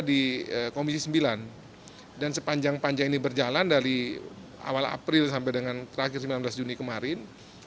di komisi sembilan dan sepanjang panjang ini berjalan dari awal april sampai dengan terakhir sembilan belas juni kemarin